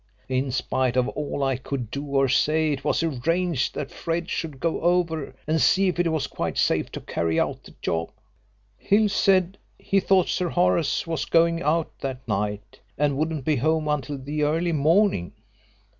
In spite of all I could do or say, it was arranged that Fred should go over, and see if it was quite safe to carry out the job. Hill said he thought Sir Horace was going out that night, and wouldn't be home until the early morning.